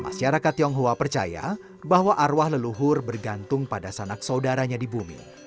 masyarakat tionghoa percaya bahwa arwah leluhur bergantung pada sanak saudaranya di bumi